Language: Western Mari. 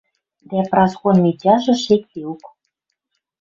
Дӓ Праскон Митяжы шекдеок